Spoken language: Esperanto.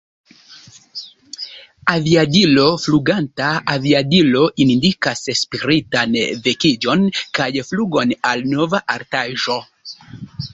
Aviadilo: Fluganta aviadilo indikas spiritan vekiĝon kaj flugon al nova altaĵo.